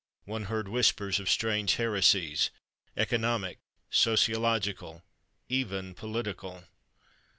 One heard whispers of strange heresies—economic, sociological, even political.